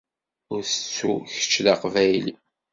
Ur tettu kečč d Aqbayli.